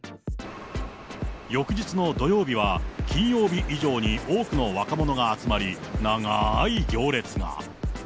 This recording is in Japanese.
翌日の土曜日は、金曜日以上に多くの若者が集まり、長ーい行列が。